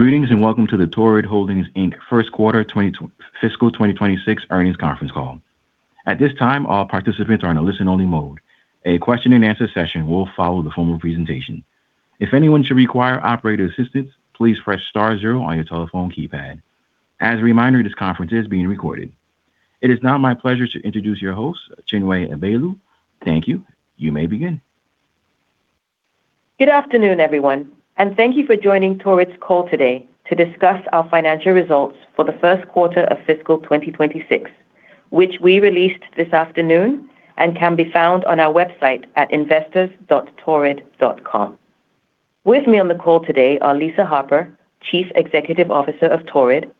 Greetings, and welcome to the Torrid Holdings, Inc. First Quarter Fiscal 2026 Earnings Conference Call. At this time, all participants are in a listen-only mode. A question and answer session will follow the formal presentation. If anyone should require operator assistance, please press star 0 on your telephone keypad. As a reminder, this conference is being recorded. It is now my pleasure to introduce your host, Chinwe Abaelu. Thank you. You may begin. Good afternoon, everyone, and thank you for joining Torrid's call today to discuss our financial results for the first quarter of Fiscal 2026, which we released this afternoon and can be found on our website at investors.torrid.com. With me on the call today are Lisa Harper, Chief Executive Officer of Torrid,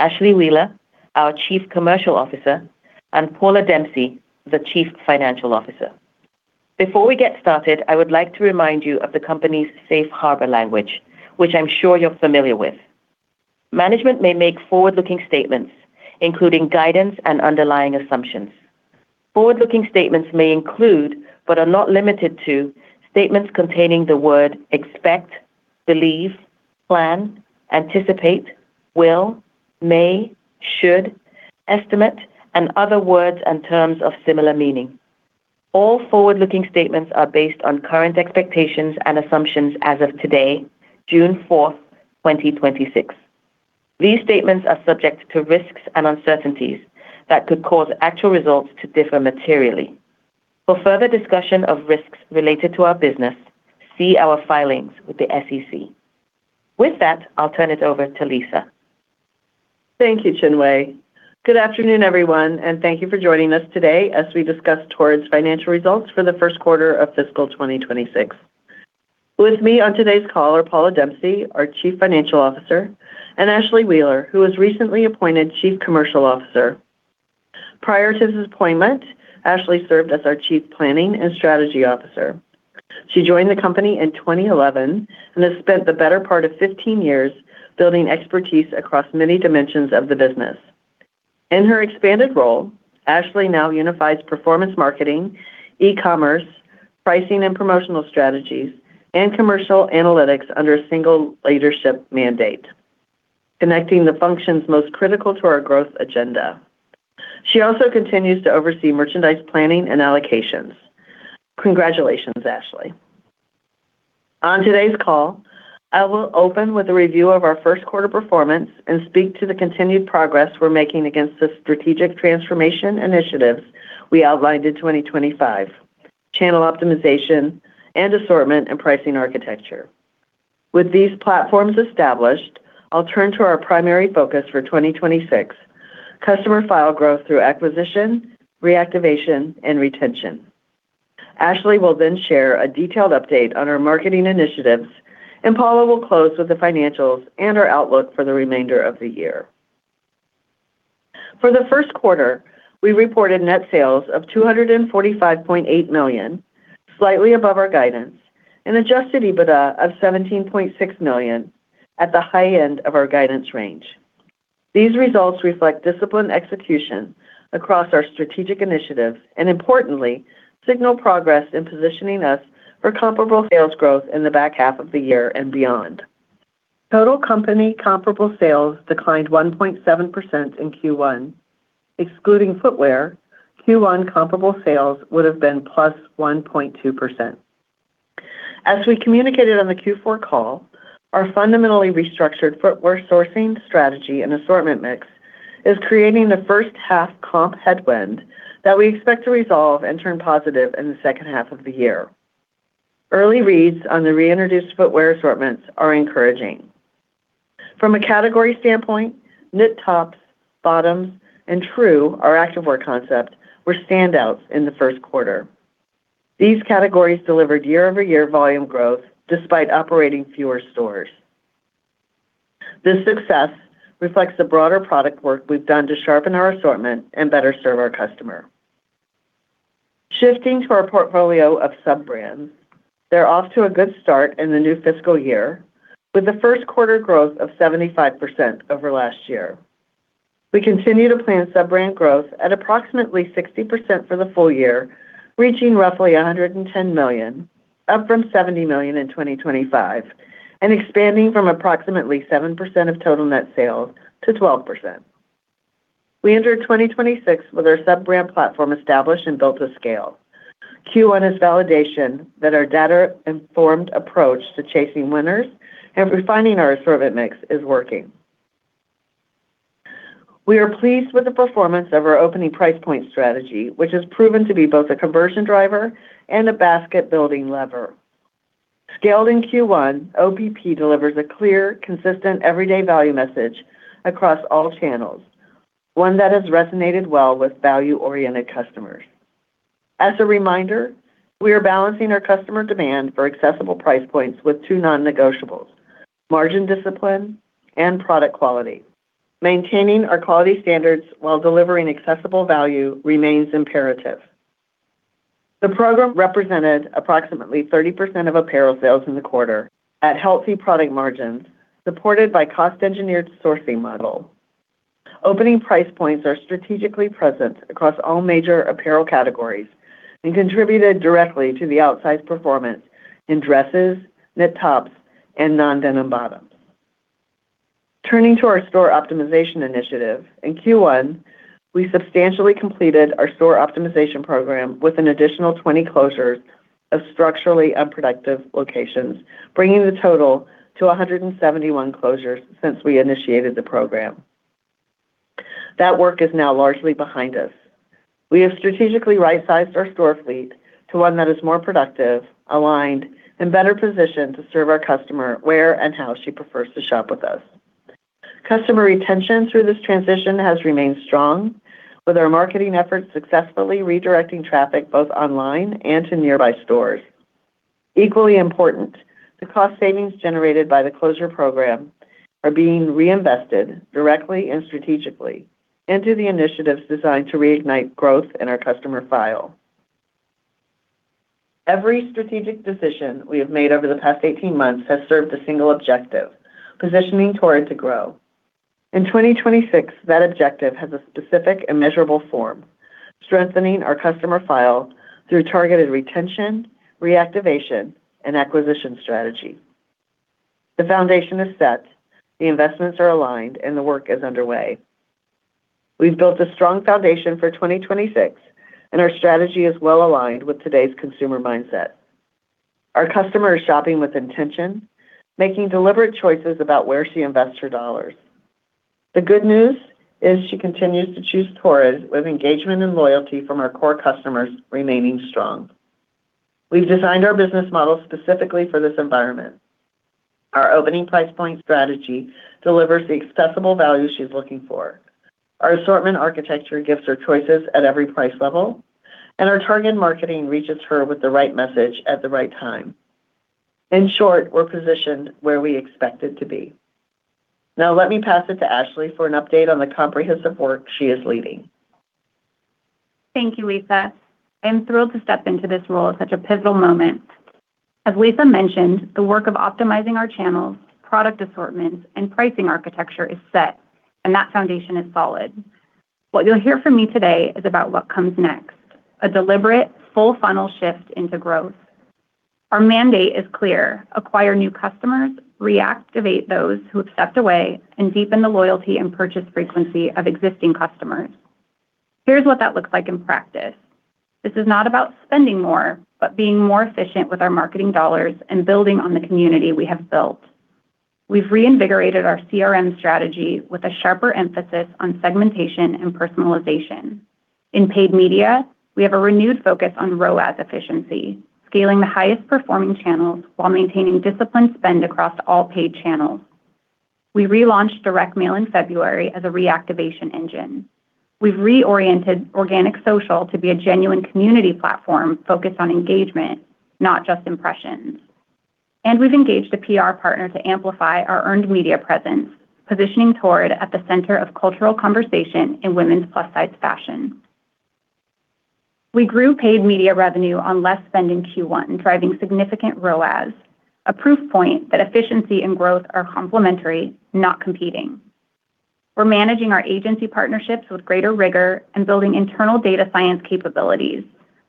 Ashlee Wheeler, our Chief Commercial Officer, and Paula Dempsey, the Chief Financial Officer. Before we get started, I would like to remind you of the company's Safe Harbor language, which I'm sure you're familiar with. Management may make forward-looking statements, including guidance and underlying assumptions. Forward-looking statements may include, but are not limited to, statements containing the word "expect," "believe," "plan," "anticipate," "will," "may," "should," "estimate," and other words and terms of similar meaning. All forward-looking statements are based on current expectations and assumptions as of today, June 4th, 2026. These statements are subject to risks and uncertainties that could cause actual results to differ materially. For further discussion of risks related to our business, see our filings with the SEC. With that, I'll turn it over to Lisa. Thank you, Chinwe. Good afternoon, everyone, and thank you for joining us today as we discuss Torrid's financial results for the first quarter of Fiscal 2026. With me on today's call are Paula Dempsey, our Chief Financial Officer, and Ashlee Wheeler, who was recently appointed Chief Commercial Officer. Prior to this appointment, Ashlee served as our Chief Planning and Strategy Officer. She joined the company in 2011 and has spent the better part of 15 years building expertise across many dimensions of the business. In her expanded role, Ashlee now unifies performance marketing, e-commerce, pricing and promotional strategies, and commercial analytics under a single leadership mandate, connecting the functions most critical to our growth agenda. She also continues to oversee merchandise planning and allocations. Congratulations, Ashlee. On today's call, I will open with a review of our first quarter performance and speak to the continued progress we're making against the strategic transformation initiatives we outlined in 2025, channel optimization, and assortment and pricing architecture. With these platforms established, I'll turn to our primary focus for 2026, customer file growth through acquisition, reactivation, and retention. Ashlee will then share a detailed update on our marketing initiatives, and Paula will close with the financials and our outlook for the remainder of the year. For the first quarter, we reported net sales of $245.8 million, slightly above our guidance, and adjusted EBITDA of $17.6 million at the high end of our guidance range. These results reflect disciplined execution across our strategic initiatives, and importantly, signal progress in positioning us for comparable sales growth in the back half of the year and beyond. Total company comparable sales declined 1.7% in Q1. Excluding footwear, Q1 comparable sales would've been plus 1.2%. As we communicated on the Q4 call, our fundamentally restructured footwear sourcing strategy and assortment mix is creating the first half comp headwind that we expect to resolve and turn positive in the second half of the year. Early reads on the reintroduced footwear assortments are encouraging. From a category standpoint, knit tops, bottoms, and TRU, our activewear concept, were standouts in the first quarter. These categories delivered year-over-year volume growth despite operating fewer stores. This success reflects the broader product work we've done to sharpen our assortment and better serve our customer. Shifting to our portfolio of sub-brands, they're off to a good start in the new fiscal year with a first quarter growth of 75% over last year. We continue to plan sub-brand growth at approximately 60% for the full year, reaching roughly $110 million, up from $70 million in 2025, and expanding from approximately 7% of total net sales to 12%. We entered 2026 with our sub-brand platform established and built to scale. Q1 is validation that our data-informed approach to chasing winners and refining our assortment mix is working. We are pleased with the performance of our opening price point strategy, which has proven to be both a conversion driver and a basket-building lever. Scaled in Q1, OPP delivers a clear, consistent, everyday value message across all channels, one that has resonated well with value-oriented customers. As a reminder, we are balancing our customer demand for accessible price points with two non-negotiables, margin discipline and product quality. Maintaining our quality standards while delivering accessible value remains imperative. The program represented approximately 30% of apparel sales in the quarter at healthy product margins, supported by cost-engineered sourcing model. opening price points are strategically present across all major apparel categories and contributed directly to the outsized performance in dresses, knit tops, and non-denim bottoms. Turning to our store optimization initiative. In Q1, we substantially completed our store optimization program with an additional 20 closures of structurally unproductive locations, bringing the total to 171 closures since we initiated the program. That work is now largely behind us. We have strategically right-sized our store fleet to one that is more productive, aligned, and better positioned to serve our customer where and how she prefers to shop with us. Customer retention through this transition has remained strong, with our marketing efforts successfully redirecting traffic both online and to nearby stores. Equally important, the cost savings generated by the closure program are being reinvested directly and strategically into the initiatives designed to reignite growth in our customer file. Every strategic decision we have made over the past 18 months has served a single objective, positioning Torrid to grow. In 2026, that objective has a specific and measurable form, strengthening our customer file through targeted retention, reactivation, and acquisition strategy. The foundation is set, the investments are aligned, and the work is underway. We've built a strong foundation for 2026, and our strategy is well-aligned with today's consumer mindset. Our customer is shopping with intention, making deliberate choices about where she invests her dollars. The good news is she continues to choose Torrid, with engagement and loyalty from our core customers remaining strong. We've designed our business model specifically for this environment. Our opening price point strategy delivers the accessible value she's looking for. Our assortment architecture gives her choices at every price level, and our targeted marketing reaches her with the right message at the right time. In short, we're positioned where we expected to be. Now, let me pass it to Ashlee for an update on the comprehensive work she is leading. Thank you, Lisa. I am thrilled to step into this role at such a pivotal moment. As Lisa mentioned, the work of optimizing our channels, product assortments, and pricing architecture is set, and that foundation is solid. What you'll hear from me today is about what comes next, a deliberate, full-funnel shift into growth. Our mandate is clear: acquire new customers, reactivate those who have stepped away, and deepen the loyalty and purchase frequency of existing customers. Here's what that looks like in practice. This is not about spending more, but being more efficient with our marketing dollars and building on the community we have built. We've reinvigorated our CRM strategy with a sharper emphasis on segmentation and personalization. In paid media, we have a renewed focus on ROAS efficiency, scaling the highest performing channels while maintaining disciplined spend across all paid channels. We relaunched direct mail in February as a reactivation engine. We've reoriented organic social to be a genuine community platform focused on engagement, not just impressions. We've engaged a PR partner to amplify our earned media presence, positioning Torrid at the center of cultural conversation in women's plus-size fashion. We grew paid media revenue on less spend in Q1, driving significant ROAS, a proof point that efficiency and growth are complementary, not competing. We're managing our agency partnerships with greater rigor and building internal data science capabilities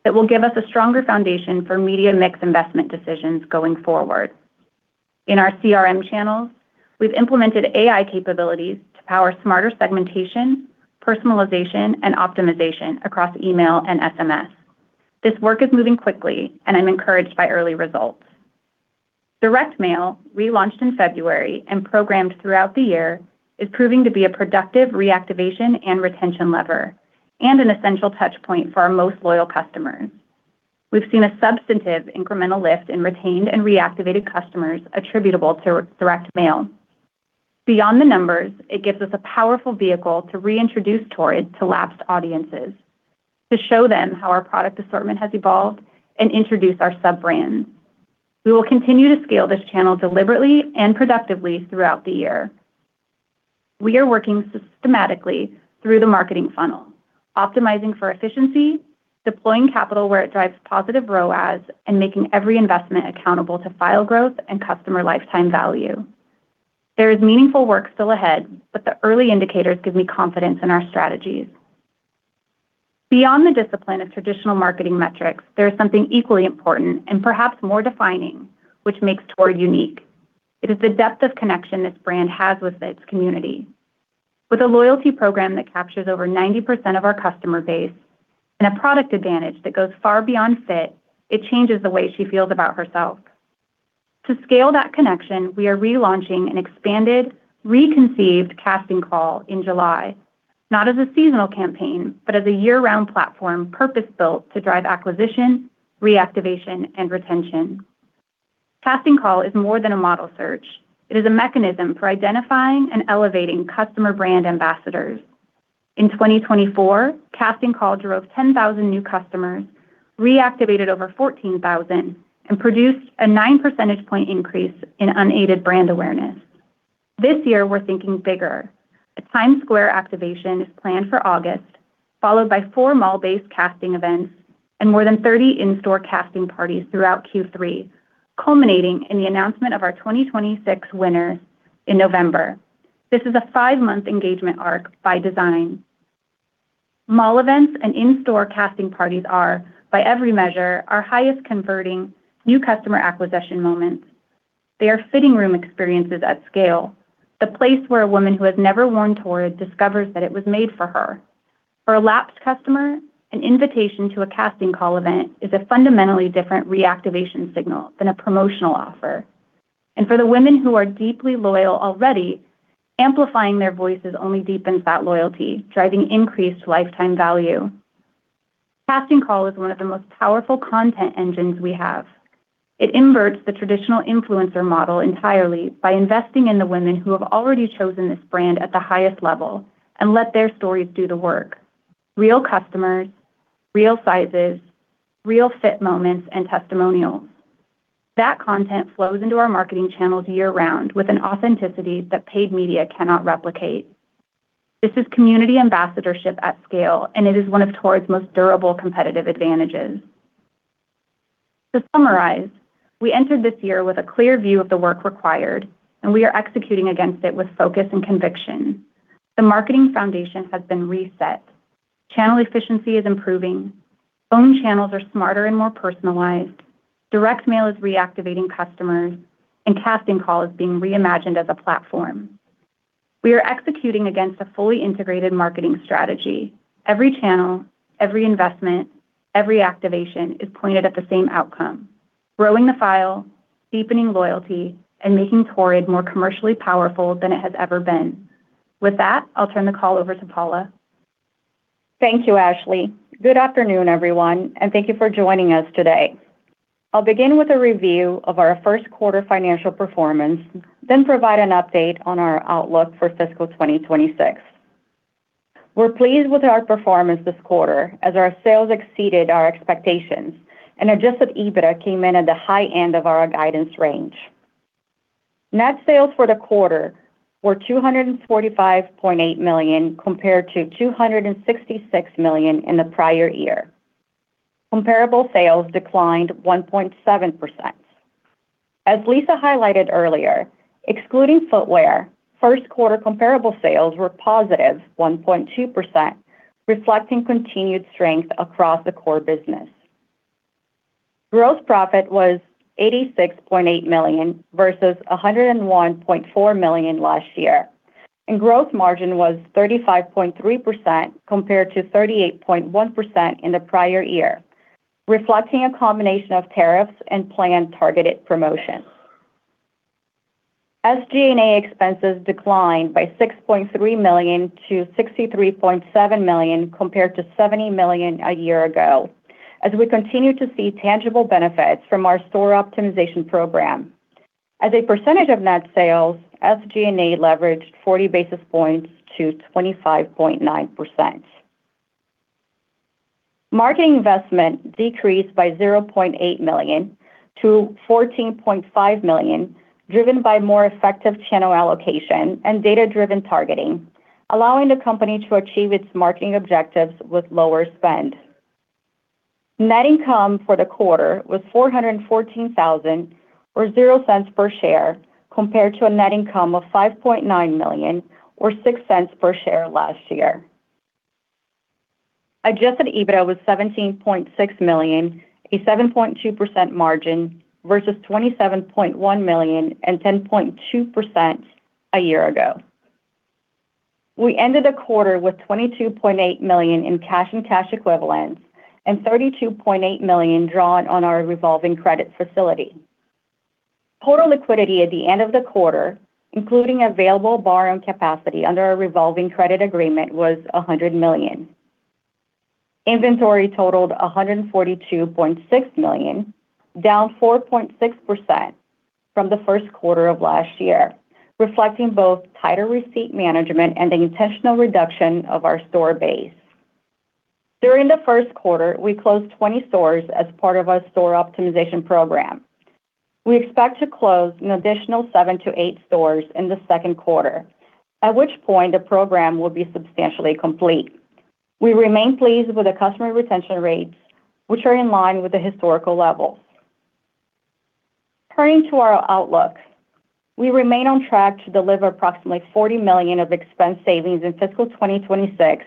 that will give us a stronger foundation for media mix investment decisions going forward. In our CRM channels, we've implemented AI capabilities to power smarter segmentation, personalization, and optimization across email and SMS. This work is moving quickly, and I'm encouraged by early results. Direct mail, relaunched in February and programmed throughout the year, is proving to be a productive reactivation and retention lever, and an essential touch point for our most loyal customers. We've seen a substantive incremental lift in retained and reactivated customers attributable to direct mail. Beyond the numbers, it gives us a powerful vehicle to reintroduce Torrid to lapsed audiences, to show them how our product assortment has evolved, and introduce our sub-brands. We will continue to scale this channel deliberately and productively throughout the year. We are working systematically through the marketing funnel, optimizing for efficiency, deploying capital where it drives positive ROAS, and making every investment accountable to file growth and customer lifetime value. There is meaningful work still ahead, but the early indicators give me confidence in our strategies. Beyond the discipline of traditional marketing metrics, there is something equally important and perhaps more defining, which makes Torrid unique. It is the depth of connection this brand has with its community. With a loyalty program that captures over 90% of our customer base and a product advantage that goes far beyond fit, it changes the way she feels about herself. To scale that connection, we are relaunching an expanded, reconceived Casting Call in July, not as a seasonal campaign, but as a year-round platform purpose-built to drive acquisition, reactivation, and retention. Casting Call is more than a model search. It is a mechanism for identifying and elevating customer brand ambassadors. In 2024, Casting Call drove 10,000 new customers, reactivated over 14,000, and produced a nine percentage point increase in unaided brand awareness. This year, we're thinking bigger. A Times Square activation is planned for August. Followed by four mall-based casting events and more than 30 in-store casting parties throughout Q3, culminating in the announcement of our 2026 winners in November. This is a five-month engagement arc by design. Mall events and in-store casting parties are, by every measure, our highest converting new customer acquisition moments. They are fitting room experiences at scale, the place where a woman who has never worn Torrid discovers that it was made for her. For a lapsed customer, an invitation to a Casting Call event is a fundamentally different reactivation signal than a promotional offer. For the women who are deeply loyal already, amplifying their voices only deepens that loyalty, driving increased lifetime value. Casting Call is one of the most powerful content engines we have. It inverts the traditional influencer model entirely by investing in the women who have already chosen this brand at the highest level and let their stories do the work. Real customers, real sizes, real fit moments, and testimonials. That content flows into our marketing channels year-round with an authenticity that paid media cannot replicate. This is community ambassadorship at scale, and it is one of Torrid's most durable competitive advantages. To summarize, we entered this year with a clear view of the work required, and we are executing against it with focus and conviction. The marketing foundation has been reset. Channel efficiency is improving. Owned channels are smarter and more personalized. Direct mail is reactivating customers, and Casting Call is being reimagined as a platform. We are executing against a fully integrated marketing strategy. Every channel, every investment, every activation is pointed at the same outcome, growing the file, deepening loyalty, and making Torrid more commercially powerful than it has ever been. With that, I'll turn the call over to Paula. Thank you, Ashlee. Good afternoon, everyone, thank you for joining us today. I'll begin with a review of our first quarter financial performance, provide an update on our outlook for Fiscal 2026. We're pleased with our performance this quarter as our sales exceeded our expectations, adjusted EBITDA came in at the high end of our guidance range. Net sales for the quarter were $245.8 million, compared to $266 million in the prior year. Comparable sales declined 1.7%. As Lisa highlighted earlier, excluding footwear, first quarter comparable sales were positive 1.2%, reflecting continued strength across the core business. Gross profit was $86.8 million versus $101.4 million last year, gross margin was 35.3% compared to 38.1% in the prior year, reflecting a combination of tariffs and planned targeted promotions. SG&A expenses declined by $6.3 million to $63.7 million, compared to $70 million a year ago, as we continue to see tangible benefits from our store optimization program. As a percentage of net sales, SG&A leveraged 40 basis points to 25.9%. Marketing investment decreased by $0.8 million to $14.5 million, driven by more effective channel allocation and data-driven targeting, allowing the company to achieve its marketing objectives with lower spend. Net income for the quarter was $414,000, or $0.00 per share, compared to a net income of $5.9 million or $0.06 per share last year. Adjusted EBITDA was $17.6 million, a 7.2% margin versus $27.1 million and 10.2% a year ago. We ended the quarter with $22.8 million in cash and cash equivalents and $32.8 million drawn on our revolving credit facility. Total liquidity at the end of the quarter, including available borrowing capacity under our revolving credit agreement, was $100 million. Inventory totaled $142.6 million, down 4.6% from the first quarter of last year, reflecting both tighter receipt management and the intentional reduction of our store base. During the first quarter, we closed 20 stores as part of our store optimization program. We expect to close an additional seven to eight stores in the second quarter, at which point the program will be substantially complete. We remain pleased with the customer retention rates, which are in line with the historical levels. Turning to our outlook, we remain on track to deliver approximately $40 million of expense savings in Fiscal 2026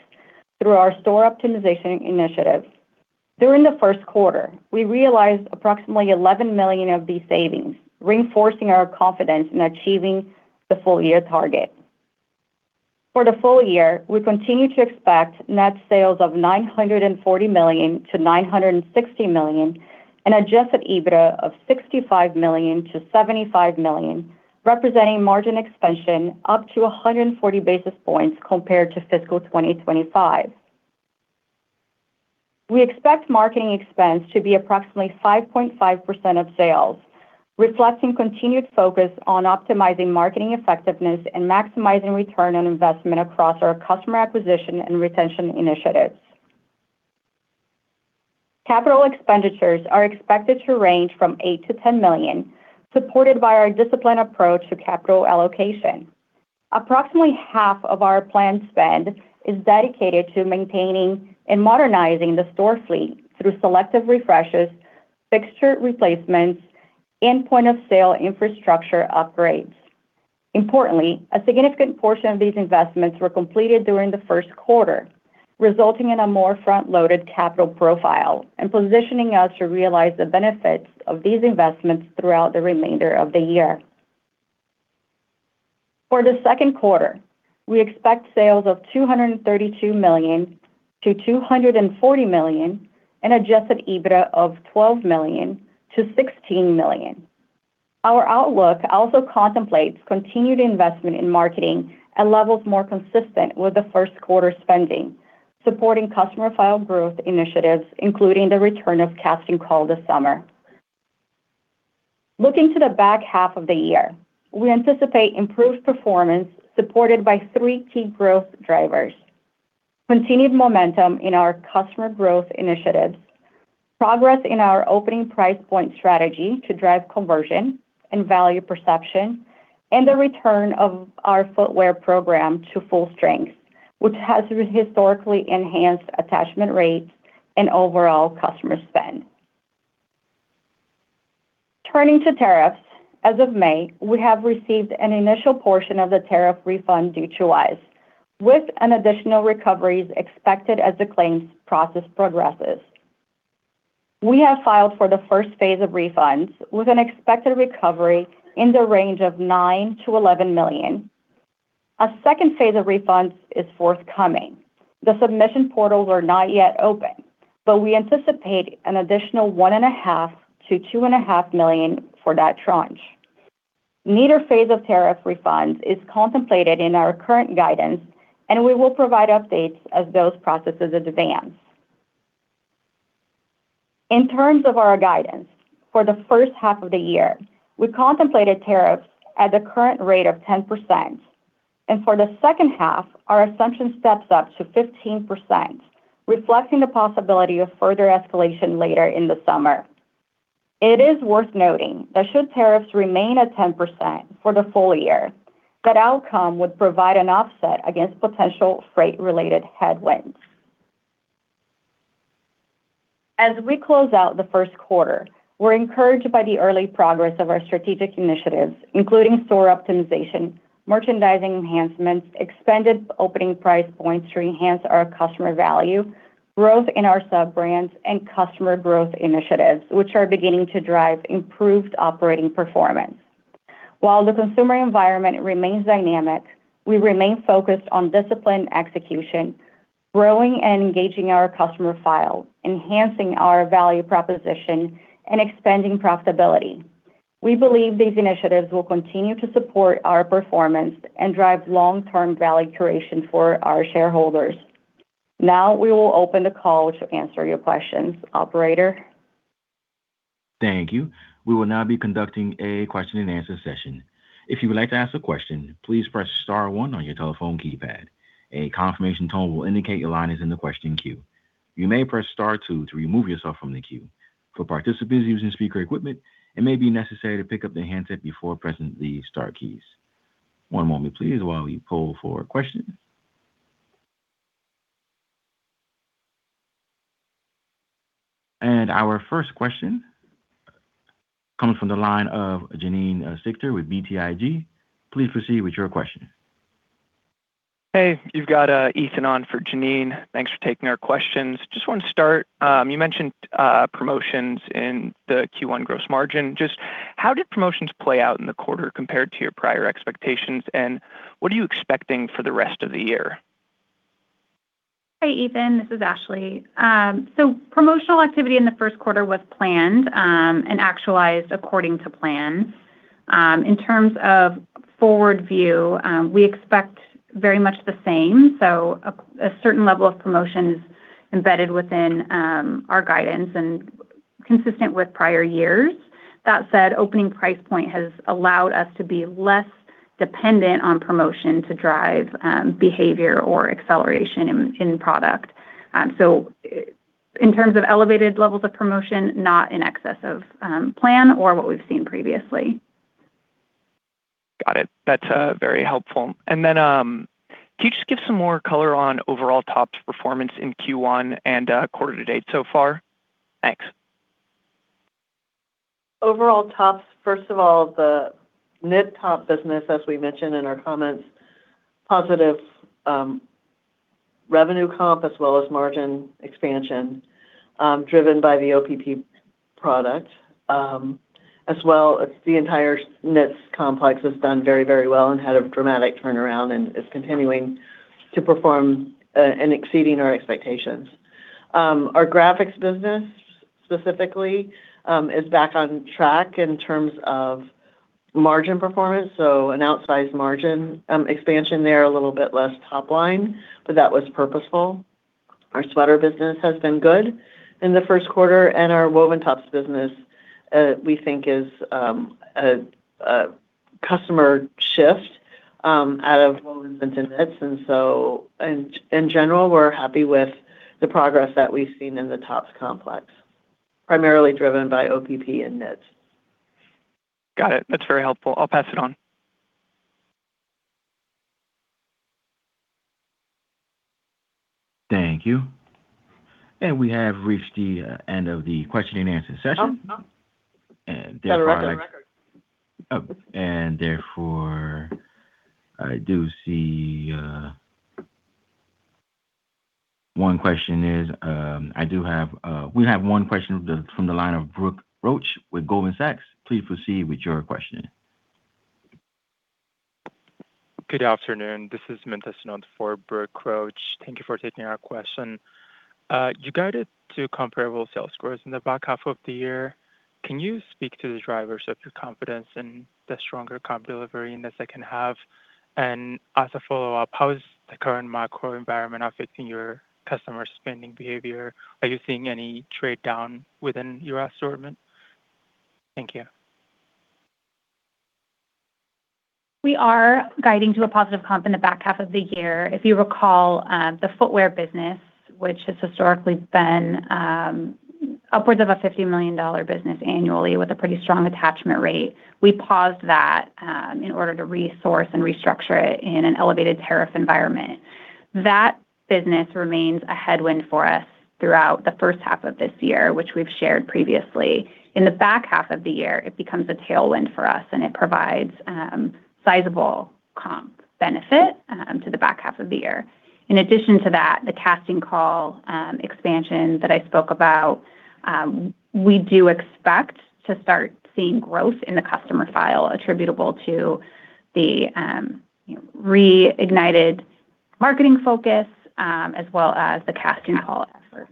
through our store optimization initiatives. During the first quarter, we realized approximately $11 million of these savings, reinforcing our confidence in achieving the full year target. For the full year, we continue to expect net sales of $940 million-$960 million and adjusted EBITDA of $65 million-$75 million, representing margin expansion up to 140 basis points compared to fiscal 2025. We expect marketing expense to be approximately 5.5% of sales, reflecting continued focus on optimizing marketing effectiveness and maximizing return on investment across our customer acquisition and retention initiatives. Capital expenditures are expected to range from $8 million-$10 million, supported by our disciplined approach to capital allocation. Approximately half of our planned spend is dedicated to maintaining and modernizing the store fleet through selective refreshes, fixture replacements, and point-of-sale infrastructure upgrades. Importantly, a significant portion of these investments were completed during the first quarter, resulting in a more front-loaded capital profile and positioning us to realize the benefits of these investments throughout the remainder of the year. For the second quarter, we expect sales of $232 million-$240 million, an adjusted EBITDA of $12 million-$16 million. Our outlook also contemplates continued investment in marketing at levels more consistent with the first quarter spending, supporting customer file growth initiatives, including the return of Casting Call this summer. Looking to the back half of the year, we anticipate improved performance supported by three key growth drivers. Continued momentum in our customer growth initiatives, progress in our opening price point strategy to drive conversion and value perception, and the return of our footwear program to full strength, which has historically enhanced attachment rates and overall customer spend. Turning to tariffs, as of May, we have received an initial portion of the tariff refund due to us with additional recoveries expected as the claims process progresses. We have filed for the first phase of refunds with an expected recovery in the range of $9 million-$11 million. A second phase of refunds is forthcoming. The submission portals are not yet open. We anticipate an additional one and a half to two and a half million for that tranche. Neither phase of tariff refunds is contemplated in our current guidance. We will provide updates of those processes as advanced. In terms of our guidance, for the first half of the year, we contemplated tariffs at the current rate of 10%. For the second half, our assumption steps up to 15%, reflecting the possibility of further escalation later in the summer. It is worth noting that should tariffs remain at 10% for the full year, that outcome would provide an offset against potential freight-related headwinds. As we close out the first quarter, we're encouraged by the early progress of our strategic initiatives, including store optimization, merchandising enhancements, expanded opening price points to enhance our customer value, growth in our sub-brands, and customer growth initiatives, which are beginning to drive improved operating performance. While the consumer environment remains dynamic, we remain focused on disciplined execution, growing and engaging our customer file, enhancing our value proposition, and expanding profitability. We believe these initiatives will continue to support our performance and drive long-term value creation for our shareholders. Now, we will open the call to answer your questions. Operator? Thank you. We will now be conducting a question and answer session. If you would like to ask a question, please press star one on your telephone keypad. A confirmation tone will indicate your line is in the question queue. You may press star two to remove yourself from the queue. For participants using speaker equipment, it may be necessary to pick up the handset before pressing the star keys. One moment, please, while we poll for questions. Our first question comes from the line of Janine Stichter with BTIG. Please proceed with your question. Hey, you've got Ethan on for Janine. Thanks for taking our questions. Just want to start, you mentioned promotions in the Q1 gross margin. Just how did promotions play out in the quarter compared to your prior expectations, and what are you expecting for the rest of the year? Hey, Ethan. This is Ashlee. Promotional activity in the first quarter was planned, and actualized according to plan. In terms of forward view, we expect very much the same, a certain level of promotion is embedded within our guidance and consistent with prior years. That said, opening price point has allowed us to be less dependent on promotion to drive behavior or acceleration in product. In terms of elevated levels of promotion, not in excess of plan or what we've seen previously. Got it. That's very helpful. Can you just give some more color on overall tops performance in Q1 and quarter to date so far? Thanks. Overall tops, first of all, the knit top business, as we mentioned in our comments, positive revenue comp as well as margin expansion, driven by the OPP product. The entire knits complex has done very well and had a dramatic turnaround and is continuing to perform and exceeding our expectations. Our graphics business specifically is back on track in terms of margin performance, so an outsized margin expansion there, a little bit less top line, but that was purposeful. Our sweater business has been good in the first quarter, and our woven tops business we think a customer shift out of women's into knits. In general, we're happy with the progress that we've seen in the tops complex, primarily driven by OPP and knits. Got it. That's very helpful. I'll pass it on. Thank you. We have reached the end of the question and answer session. Oh. And therefore- Got a record. Therefore, I do see one question is we have one question from the line of Brooke Roach with Goldman Sachs. Please proceed with your question. Good afternoon. This is Mintes Not for Brooke Roach. Thank you for taking our question. You guided to comparable sales growth in the back half of the year. Can you speak to the drivers of your confidence in the stronger comp delivery in the second half? As a follow-up, how is the current macro environment affecting your customer spending behavior? Are you seeing any trade-down within your assortment? Thank you. We are guiding to a positive comp in the back half of the year. If you recall, the footwear business, which has historically been upwards of a $50 million business annually with a pretty strong attachment rate, we paused that in order to resource and restructure it in an elevated tariff environment. That business remains a headwind for us throughout the first half of this year, which we've shared previously. In the back half of the year, it becomes a tailwind for us and it provides sizable comp benefit to the back half of the year. In addition to that, the Casting Call expansion that I spoke about, we do expect to start seeing growth in the customer file attributable to the reignited marketing focus, as well as the Casting Call effort.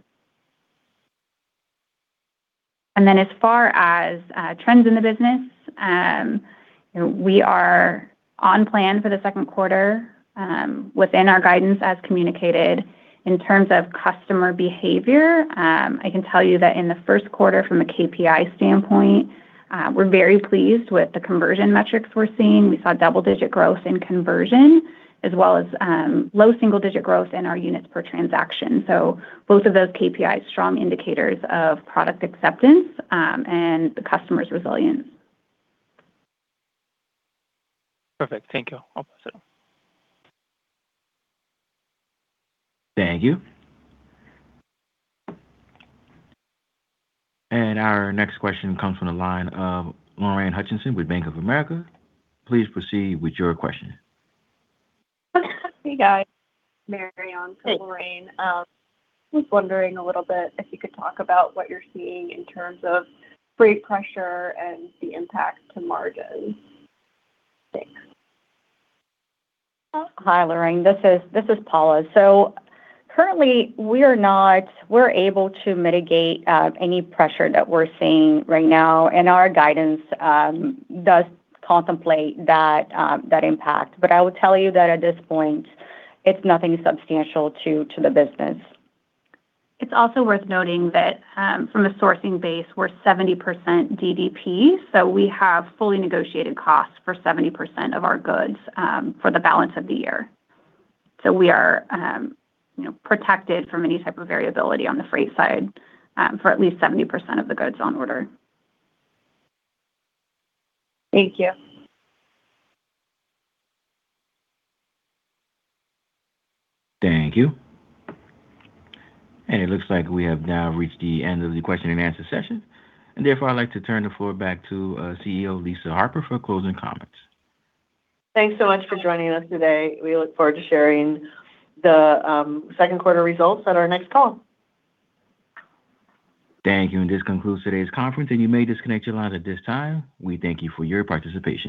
Then as far as trends in the business, we are on plan for the second quarter, within our guidance as communicated. In terms of customer behavior, I can tell you that in the first quarter, from a KPI standpoint, we're very pleased with the conversion metrics we're seeing. We saw double-digit growth in conversion, as well as low single-digit growth in our units per transaction. Both of those KPIs, strong indicators of product acceptance and the customer's resilience. Perfect. Thank you. I'll pass it on. Thank you. Our next question comes from the line of Lorraine Hutchinson with Bank of America. Please proceed with your question. Hey, guys. Marianne- Hey not Lorraine. Just wondering a little bit if you could talk about what you're seeing in terms of freight pressure and the impact to margins? Thanks. Hi, Lorraine. This is Paula. Currently, we're able to mitigate any pressure that we're seeing right now, and our guidance does contemplate that impact. I will tell you that at this point, it's nothing substantial to the business. It's also worth noting that from a sourcing base, we're 70% DDP, so we have fully negotiated costs for 70% of our goods for the balance of the year. We are protected from any type of variability on the freight side for at least 70% of the goods on order. Thank you. Thank you. It looks like we have now reached the end of the question and answer session, and therefore I'd like to turn the floor back to CEO, Lisa Harper, for closing comments. Thanks so much for joining us today. We look forward to sharing the second quarter results at our next call. Thank you. This concludes today's conference, and you may disconnect your line at this time. We thank you for your participation.